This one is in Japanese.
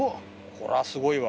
これはすごいわ。